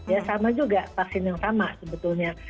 ya sama juga vaksin yang sama sebetulnya